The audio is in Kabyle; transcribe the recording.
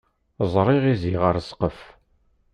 Ẓriɣ izi ɣer ssqef